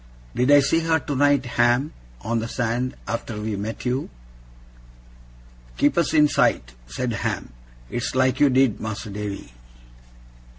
'Did I see her tonight, Ham, on the sand, after we met you?' 'Keeping us in sight?' said Ham. 'It's like you did, Mas'r Davy.